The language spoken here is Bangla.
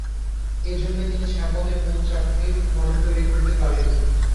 এজন্যই তিনি ছায়াপথের মূল চাকতির মডেল তৈরি করতে পারেননি।